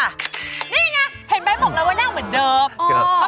นี่ไงเห็นไหมบอกเลยว่านั่งเหมือนเดิม